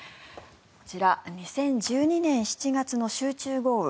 こちら、２０１２年７月の集中豪雨。